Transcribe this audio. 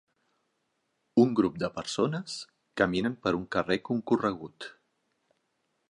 Un grup de persones caminen per un carrer concorregut.